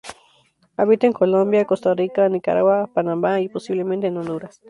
Habita en Colombia, Costa Rica, Nicaragua, Panamá y posiblemente en Honduras.